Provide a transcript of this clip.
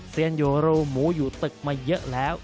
เซียนอยู่รูหมูอยู่ตึกมาเยอะแล้ว